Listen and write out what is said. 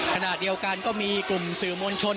ขณะเดียวกันก็มีกลุ่มสื่อมวลชน